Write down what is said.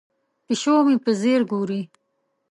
پیشو مې په ځیر ګوري.